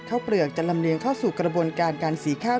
เปลือกจะลำเลียงเข้าสู่กระบวนการการสีข้าว